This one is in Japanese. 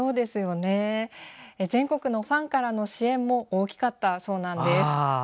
全国のファンからの支援も大きかったそうなんです。